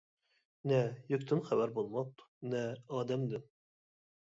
نە يۈكتىن خەۋەر بولماپتۇ، نە ئادەمدىن.